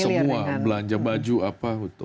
sekarang semua belanja baju apa gitu